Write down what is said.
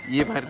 iya pak rd